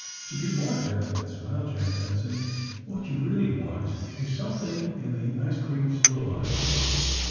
*'To be more definite," smiled Jack Benson, *^what you really want is something in the ice cream soda line."